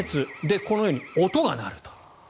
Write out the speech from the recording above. このように音が鳴るという。